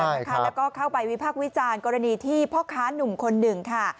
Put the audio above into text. แล้วก็เข้าไปวิพากษ์วิจารณ์กรณีที่พ่อค้านุ่มคนหนึ่งค่ะ